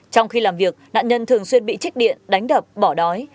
trong khi làm việc nạn nhân thường xuyên bị trích điện đánh đập bỏ đói